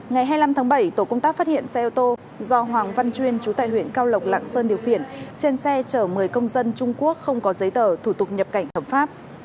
ngày hai mươi năm tháng bảy tổ công tác phát hiện xe ô tô do hoàng văn chuyên chú tại huyện cao lộc lạng sơn điều khiển trên xe chở một mươi công dân trung quốc không có giấy tờ thủ tục nhập cảnh hợp pháp